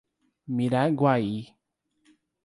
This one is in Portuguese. Miraguaí